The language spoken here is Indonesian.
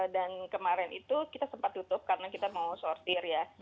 dan kemarin itu kita sempat tutup karena kita mau sortir ya